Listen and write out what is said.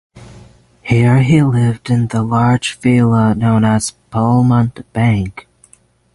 Here he lived in the large villa known as Polmont Bank.